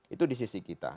itu di sisi kita